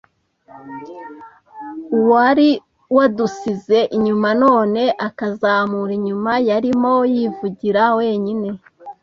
uwari wadusize inyuma none akazamura inyuma, yarimo yivugira wenyine